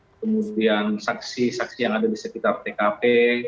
kemudian saksi saksi yang ada di sekitar tkp